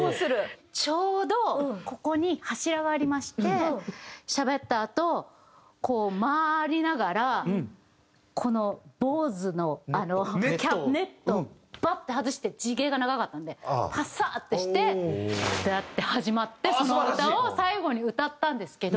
ちょうどここに柱がありましてしゃべったあとこう回りながらこの坊主のネットをバッて外して地毛が長かったんでファサッてして始まってその歌を最後に歌ったんですけど。